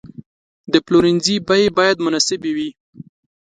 د پلورنځي بیې باید مناسبې وي.